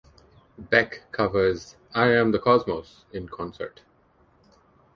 Beck covers "I Am the Cosmos" in concert.